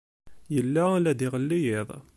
Yella la d-iɣelli yiḍ.